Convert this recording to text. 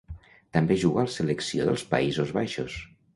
També juga a la selecció dels Països Baixos.